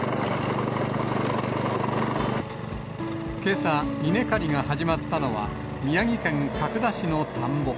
けさ、稲刈りが始まったのは、宮城県角田市の田んぼ。